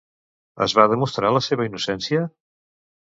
Es va demostrar la seva innocència?